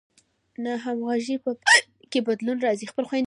د ناهمغږۍ په پایله کې بدلون راځي.